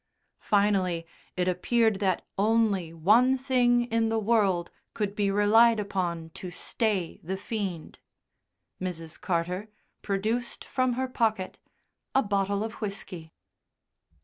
Finally, it appeared that only one thing in the world could be relied upon to stay the fiend. Mrs. Carter produced from her pocket a bottle of whisky.